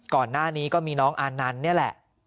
ก่อนหน้านี้ก็มีน้องอานันต์นี่แหละ